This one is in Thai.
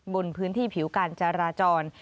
บนพื้นที่ผิวการจราจร